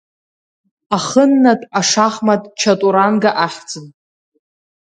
Ахыннатә ашахмат чатуранга ахьӡын.